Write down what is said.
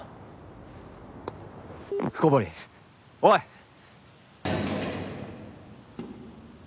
おい！